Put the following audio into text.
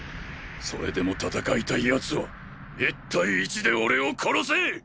それでも戦いたいやつは１対１で俺を殺せ！